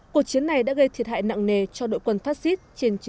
cuộc chiến này đã gây thiệt hại nặng nề cho đội quân phát xít